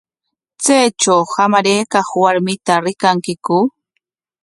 ¿Chaytraw hamaraykaq warmita rikankiku?